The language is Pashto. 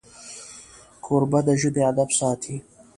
کوربه د ژبې ادب ساتي.